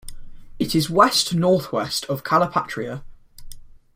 It is west-northwest of Calipatria.